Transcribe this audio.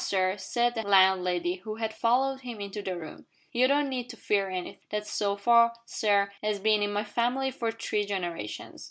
sir," said the landlady, who had followed him into the room, "you don't need to fear anythink. That sofar, sir, 'as bin in my family for three generations.